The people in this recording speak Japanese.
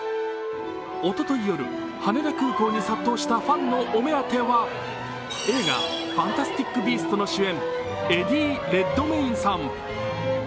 おととい夜、羽田空港に殺到したファンのお目当ては映画「ファンタスティック・ビースト」の主演、エディ・レッドメインさん。